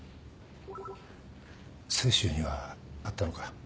清舟には会ったのか？